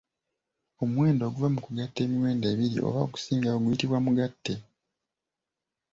Omuwendo oguva mu kugatta emiwendo ebiri oba okusingawo guyitibwa Mugatte.